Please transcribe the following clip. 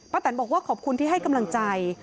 แตนบอกว่าขอบคุณที่ให้กำลังใจ